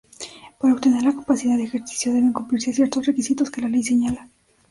Para obtener la capacidad de ejercicio deben cumplirse ciertos requisitos que la ley señala.